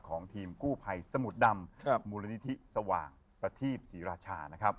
ของทีมสมุดดำกูภัยมูลนิทิ์สว่างประธีปศิราชา